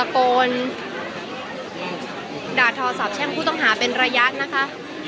โปรดดาดโทรศัพท์แช่งผู้ต้องหาเป็นระยัดนะคะ